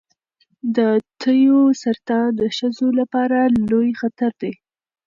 د تیو سرطان د ښځو لپاره لوی خطر دی.